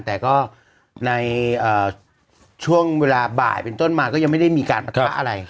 แต่ก็ในช่วงเวลาบ่ายเป็นต้นมาก็ยังไม่ได้มีการปะทะอะไร